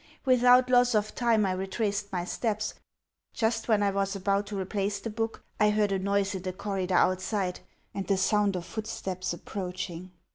Without loss of time I retraced my steps. Just when I was about to replace the book I heard a noise in the corridor outside, and the sound of footsteps approaching.